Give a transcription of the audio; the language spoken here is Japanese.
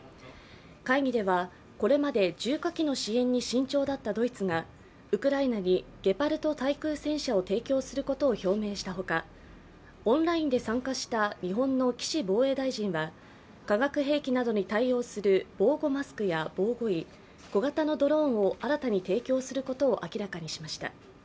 会議では、これまで重火器の支援に慎重だったドイツがウクライナにゲパルト対空戦車を提供することを表明した他、オンラインで参加した日本の岸防衛大臣は化学兵器などに対応するための防護マスクや防護衣、小型のドローンを新たに提供することを明らかにしました。